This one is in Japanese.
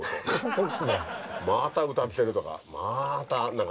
また歌ってるとか。